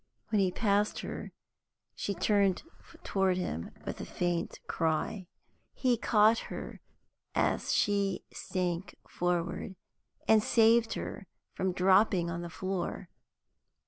When he passed her she turned toward him with a faint cry. He caught her as she sank forward, and saved her from dropping on the floor.